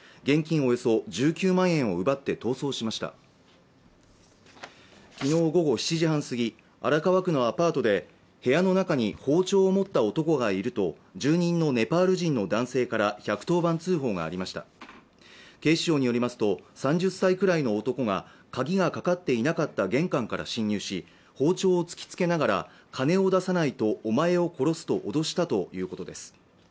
およそ１９万円を奪って逃走しました昨日午後７時半過ぎ荒川区のアパートで部屋の中に包丁を持った男がいると住人のネパール人の男性から１１０番通報がありました警視庁によりますと３０歳くらいの男が鍵がかかっていなかった玄関から侵入し包丁を突きつけながら金を出さないとお前を殺すと脅したということです